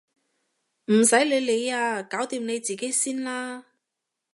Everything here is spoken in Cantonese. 唔使你理啊！搞掂你自己先啦！